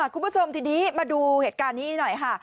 คุณผู้ชมทีนี้มาดูเหตุการณ์นี้หน่อยค่ะ